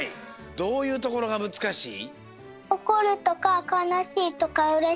どういうところがむずかしい？